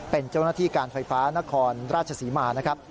เป็นเจ้าหน้าที่การไฟฟ้านครราชศรีมานะครับ